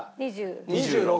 ２６。